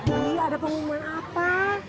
ihh ada pengumuman apa